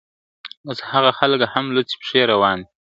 اوس هغه خلک هم لوڅي پښې روان دي ..